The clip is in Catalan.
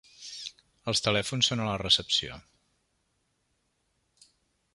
Els telèfons són a la recepció.